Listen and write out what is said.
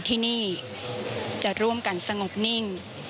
ที่นี่จะร่วมกันสงบนิ่ง